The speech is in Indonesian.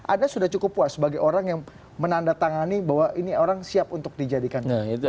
anda sudah cukup puas sebagai orang yang menandatangani bahwa ini orang siap untuk dijadikan